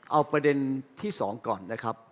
เอาประเด็นที่๒ก่อนนะครับ